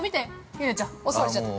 ややちゃん、お座りしちゃった。